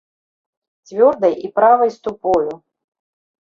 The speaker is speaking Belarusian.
Цвёрдай і правай ступою!